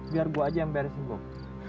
biar gua aja yang beresin bong